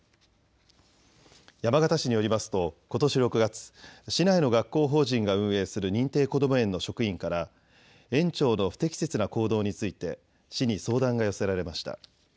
山形市によりますとことし６月、市内の学校法人が運営する認定こども園の職員から園長の不適切な行動について市に相談が寄せられました。